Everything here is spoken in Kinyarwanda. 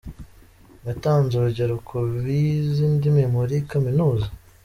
Yatanze urugero ku bize indimi muri kaminuza.